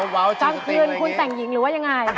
ตั้งคืนคุณแต่งหญิงหรือไง